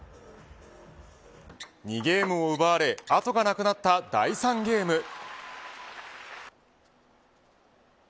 ２ゲームを奪われ後がなくなった第３ゲーム。